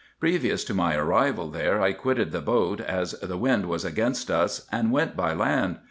Previous to my arrival there, I quitted the boat, as the wind was against us, and went by land.